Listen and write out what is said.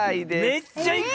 めっちゃいく！